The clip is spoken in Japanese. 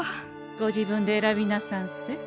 ご自分で選びなさんせ。